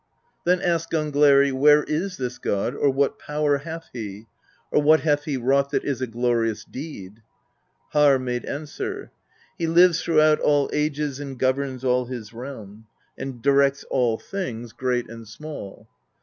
Then asked Gangleri :" Where is this god, or what power hath he, or what hath he wrought that is a glori ous deed?" Harr made answer: "He lives throughout all ages and governs all his realm, and directs all things, great ^ High. 2£qyjiiy Higjj^ 3 Third. i6 PROSE EDDA and small."